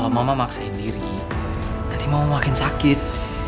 kalau mama maksain diri nanti mama makin sakit